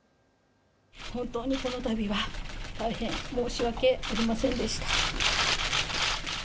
本当にこのたびは大変申し訳ございませんでした。